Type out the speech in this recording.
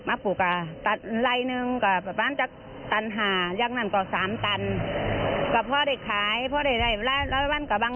มาปลูกมันหวานญี่ปุ่น